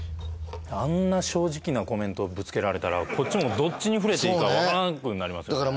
あんな正直なコメントぶつけられたらこっちもどっちに振れていいか分からんくなりますよね